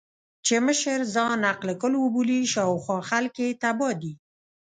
چې مشر ځان عقل کُل وبولي، شا او خوا خلګ يې تباه دي.